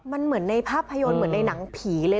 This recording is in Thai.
มันเหมือนในภาพยนตร์เหมือนในหนังผีเลย